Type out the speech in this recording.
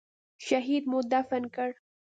شهيد مو دفن کړ.